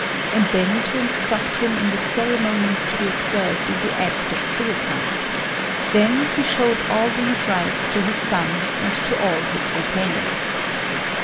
and then to instruct him in the ceremonies to be observed in the act of suicide; then he showed all these rites to his son and to all his retainers.